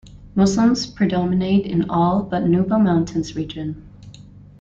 Muslims predominate in all but Nuba Mountains region.